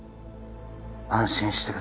安心してください